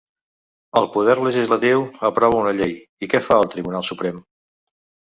El poder legislatiu aprova una llei i què fa el Tribunal Suprem?